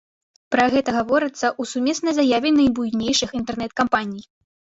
Пра гэта гаворыцца ў сумеснай заяве найбуйнейшых інтэрнэт-кампаній.